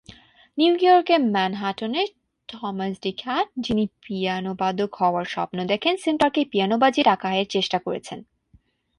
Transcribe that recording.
New ইয়র্কের ম্যানহাটনে Thomas de Kat, যিনি পিয়ানোবাদক হওয়ার স্বপ্ন দেখেন, সেন্ট্রাল পার্কে পিয়ানো বাজিয়ে টাকা আয়ের চেষ্টা করছেন।